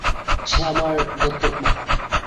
সে আমার দত্তক মা।